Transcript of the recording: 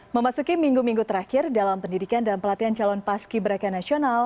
memasuki minggu minggu terakhir dalam pendidikan dan pelatihan calon paski beraka nasional